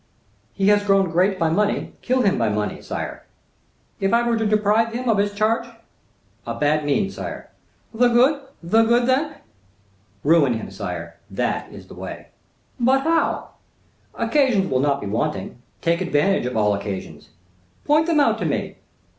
"He has grown great by money; kill him by money, sire." "If I were to deprive him of his charge?" "A bad means, sire." "The good—the good, then?" "Ruin him, sire, that is the way." "But how?" "Occasions will not be wanting; take advantage of all occasions." "Point them out to me."